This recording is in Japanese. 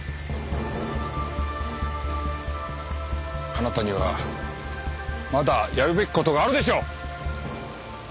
あなたにはまだやるべき事があるでしょう！